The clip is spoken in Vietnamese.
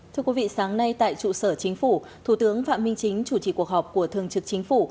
thưa quý vị sáng nay tại trụ sở chính phủ thủ tướng phạm minh chính chủ trì cuộc họp của thường trực chính phủ